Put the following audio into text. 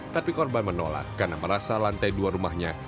tapi korban menolak karena merasa lantai dua rumahnya